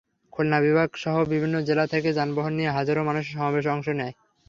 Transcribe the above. খুলনা বিভাগসহ বিভিন্ন জেলা থেকে যানবাহন নিয়ে হাজারো মানুষ সমাবেশে অংশ নেয়।